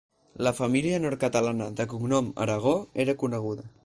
La família nord-catalana de cognom Aragó era coneguda.